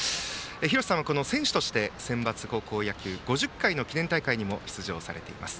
廣瀬さんは選手としてセンバツ高校野球５０回の記念大会にも出場されています。